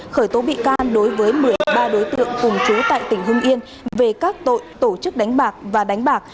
khởi tố bị can đối với một mươi ba đối tượng cùng chú tại tỉnh hưng yên về các tội tổ chức đánh bạc và đánh bạc